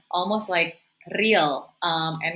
hal yang nyata dan